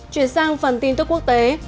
chuyển sang phần tin tức quốc tế